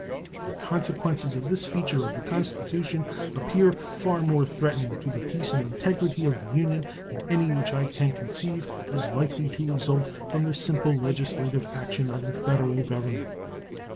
The consequences of this feature of the Constitution appear far more threatening to the peace and integrity of the Union than any which I can conceive as likely to result from the simple legislative action of the Federal Government.